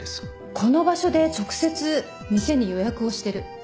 この場所で直接店に予約をしてる。